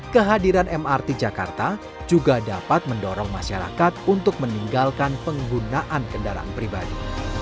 kehadiran mrt jakarta juga dapat mendorong masyarakat untuk meninggalkan penggunaan kendaraan pribadi